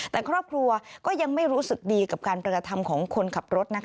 แต่ครอบครัวก็ยังไม่รู้สึกดีกับการกระทำของคนขับรถ